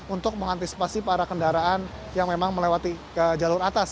untuk mengantisipasi para kendaraan yang memang melewati jalur atas